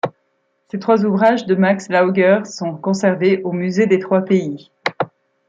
Ces trois ouvrages de Max Laeuger sont conservés au musée des Trois Pays.